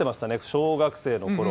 小学生のころ。